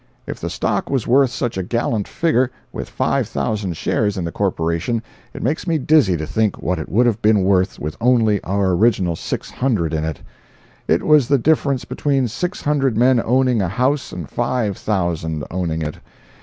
If the stock was worth such a gallant figure, with five thousand shares in the corporation, it makes me dizzy to think what it would have been worth with only our original six hundred in it. It was the difference between six hundred men owning a house and five thousand owning it.